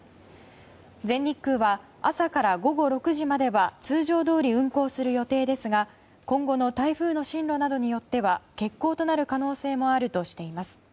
全日空は、朝から午後６時までは通常どおり運航する予定ですが今後の台風の進路などによっては欠航となる可能性もあるとしています。